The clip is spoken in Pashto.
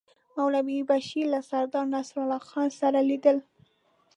مولوي بشیر له سردار نصرالله خان سره لیدل.